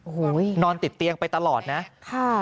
โอ้โหนอนติดเตียงไปตลอดนะค่ะ